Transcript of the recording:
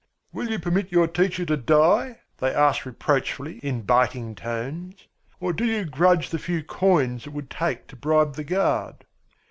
"Will you permit your teacher to die?" they asked reproachfully in biting tones. "Or do you grudge the few coins it would take to bribe the guard?"